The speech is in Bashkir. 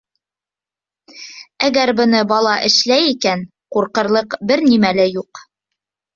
— Әгәр быны бала эшләй икән — ҡурҡырлыҡ бер нәмә лә юҡ!